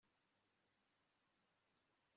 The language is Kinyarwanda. nugera mu nzira uzazengerezwa